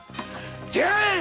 出会え！